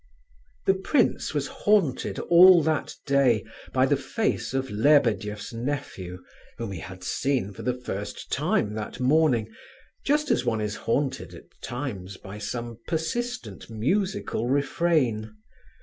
The prince was haunted all that day by the face of Lebedeff's nephew whom he had seen for the first time that morning, just as one is haunted at times by some persistent musical refrain.